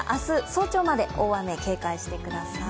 早朝まで大雨警戒してください。